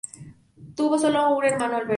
Tuvo un solo hermano, Alberto.